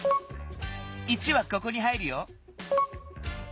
１はここに入るよ。